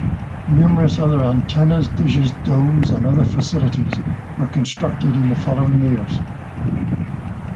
Numerous other antennas, dishes, domes, and other facilities were constructed in the following years.